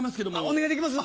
お願いできます？